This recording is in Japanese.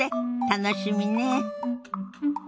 楽しみねえ。